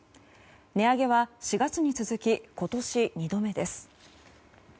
値上げは４月に続き今年２度目です。